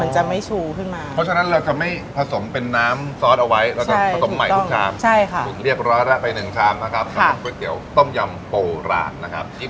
อีกเมนูที่อยากจะแนะนำก็คือเมนูอะไร